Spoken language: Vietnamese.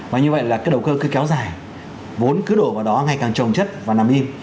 và như vậy là cái đầu cơ cứ kéo dài vốn cứ đổ vào đó ngày càng trồng chất và nằm im